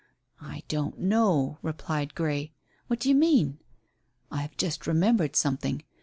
"I don't know," replied Grey. "What do you mean?" "I have just remembered something.